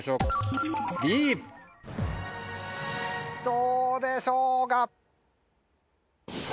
どうでしょうか？